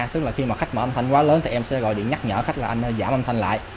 tức là khi mà khách mở âm thanh quá lớn thì em sẽ gọi điện nhắc nhở khách là anh giảm âm thanh lại